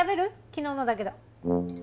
昨日のだけど。